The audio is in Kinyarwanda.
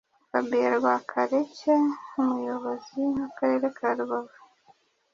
fabien rwakareke umuyobozi wakarere karubavu